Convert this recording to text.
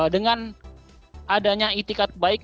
dengan adanya itikat baik